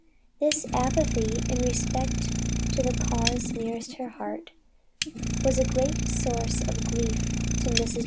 This apathy in respect to the cause nearest her heart, was a great source of grief to Mrs. J.